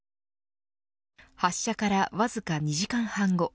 発射からわずか２時間半後